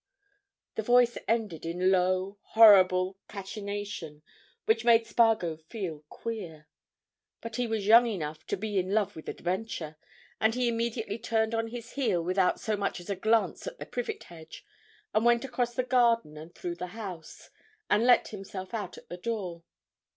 The voice ended in low, horrible cachinnation which made Spargo feel queer. But he was young enough to be in love with adventure, and he immediately turned on his heel without so much as a glance at the privet hedge, and went across the garden and through the house, and let himself out at the door.